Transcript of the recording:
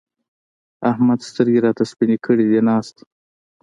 احمد سترګې راته سپينې کړې دي؛ ناست دی.